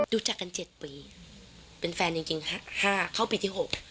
รู้จักกัน๗ปีเป็นแฟนจริง๕เข้าปีที่๖